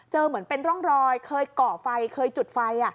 เหมือนเป็นร่องรอยเคยเกาะไฟเคยจุดไฟ